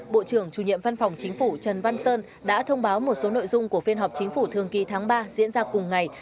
bộ trưởng chủ nhiệm văn phòng chính phủ trần văn sơn đã thông báo một số nội dung của phiên họp chính phủ thường kỳ tháng ba diễn ra cùng ngày